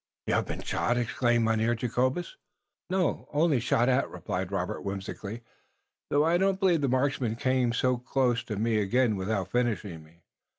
"Haf you been shot?" exclaimed Mynheer Jacobus "No, only shot at," replied Robert, whimsically, "though I don't believe the marksman could come so close to me again without finishing me.